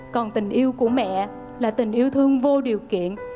còn tình yêu của mẹ là tình yêu thương vô điều kiện